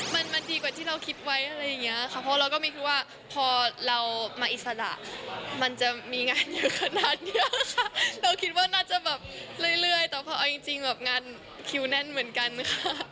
มันมันดีกว่าที่เราคิดไว้อะไรอย่างเงี้ยค่ะเพราะเราก็ไม่คิดว่าพอเรามาอิสระมันจะมีงานเยอะขนาดนี้เราคิดว่าน่าจะแบบเรื่อยแต่พอเอาจริงแบบงานคิวแน่นเหมือนกันค่ะ